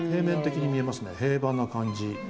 平板な感じ。